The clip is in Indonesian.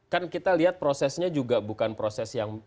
kan kita lihat prosesnya juga bukan proses yang